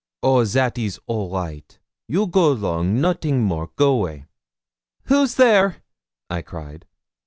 'Oh, that is all right; go you long, no ting more, go way.' 'Who's there?' I cried.